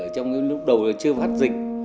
trong cái lúc đầu là chưa phát dịch